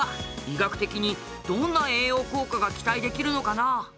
医学的にどんな栄養効果が期待できるのかなあ？